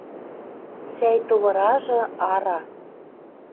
Сӓй товыражы — ара!